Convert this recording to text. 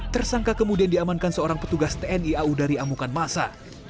tersangka kemudian diamankan seorang petugas tni au dari amukan masa